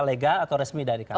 legal atau resmi dari kami